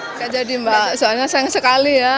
oke jadi mbak soalnya sayang sekali ya